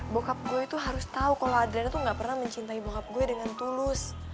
bokap gue tuh harus tau kalo adriana tuh gak pernah mencintai bokap gue dengan tulus